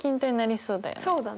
そうだね。